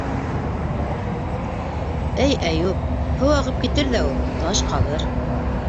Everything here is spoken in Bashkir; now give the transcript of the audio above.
Эй Әйүп, һыу ағып китер ҙә ул, таш ҡалыр.